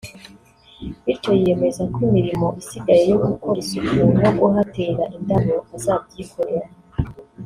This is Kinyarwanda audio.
Bityo yiyemeza ko imirimo isigaye yo gukora isuku no kuhatera indabo azabyikorera